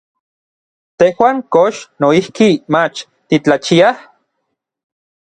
¿Tejuan kox noijki mach titlachiaj?